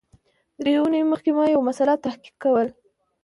درې اونۍ مخکي ما یو مسأله تحقیق کول